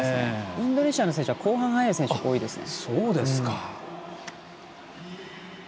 インドネシアの選手は後半速い選手、多いですね。